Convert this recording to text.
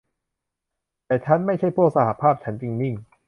แต่ฉันไม่ใช่พวกสหภาพ ฉันจึงนิ่ง